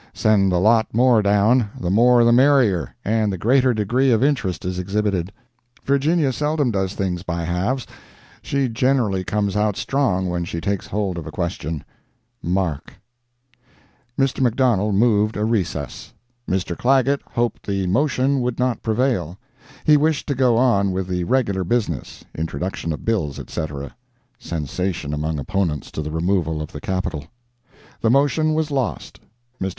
Send a lot more down—the more the merrier, and the greater degree of interest is exhibited. Virginia seldom does things by halves—she generally comes out strong when she takes hold of a question.—MARK. Mr. McDonald moved a recess. Mr. Clagett hoped the motion would not prevail. He wished to go on with the regular business—introduction of bills etc. [Sensation among opponents to the removal of the Capital.] The motion was lost. Mr.